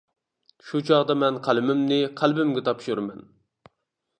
شۇ چاغدا مەن قەلىمىمنى قەلبىمگە تاپشۇرىمەن.